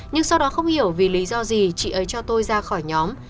nhưng sau đó không hiểu vì lý do gì chị ấy cho tôi ra khỏi nhóm